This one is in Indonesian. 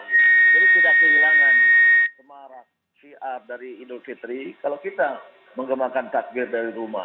jadi tidak kehilangan kemarah siap dari indosetri kalau kita mengembangkan takbir dari rumah